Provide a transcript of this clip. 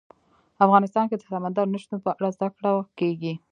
افغانستان کې د سمندر نه شتون په اړه زده کړه کېږي.